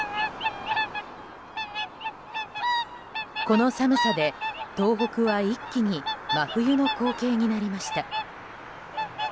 この寒さで東北は一気に真冬の光景になりました。